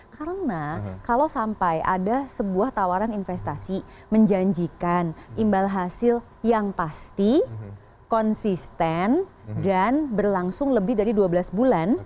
karena kalau sampai ada sebuah tawaran investasi menjanjikan imbal hasil yang pasti konsisten dan berlangsung lebih dari dua belas bulan